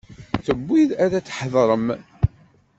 Tewwi-d ad tḥadrem.